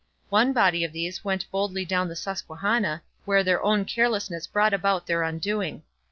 One body of these went boldly down the Susquehanna, where their own carelessness brought about their undoing.